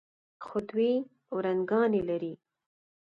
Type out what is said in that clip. خو دوې ورندرګانې لري.